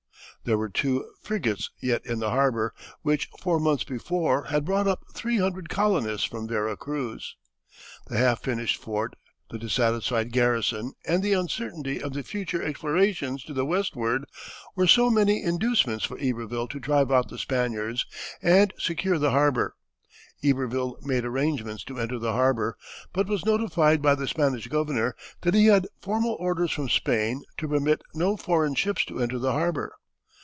There were two frigates yet in the harbor, which four months before had brought up three hundred colonists from Vera Cruz. The half finished fort, the dissatisfied garrison, and the uncertainty of the future explorations to the westward were so many inducements for Iberville to drive out the Spaniards and secure the harbor. Iberville made arrangements to enter the harbor, but was notified by the Spanish governor that he had formal orders from Spain to permit no foreign ships to enter the harbor.